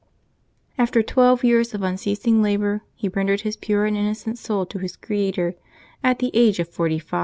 After twelve years of unceasing labor, he rendered his pure and innocent soul to his Creator, at the age of forty four.